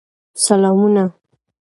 سلامونه !